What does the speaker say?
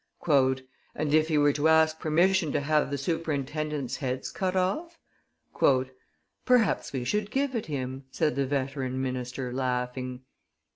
"And if he were to ask permission to have the superintendents' heads cut off?" "Perhaps we should give it him," said the veteran minister, laughing.